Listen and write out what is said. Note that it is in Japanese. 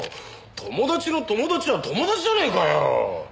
友達の友達は友達じゃねえかよ！